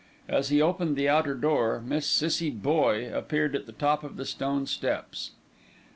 As he opened the outer door, Miss Cissie Boye appeared at the top of the stone steps.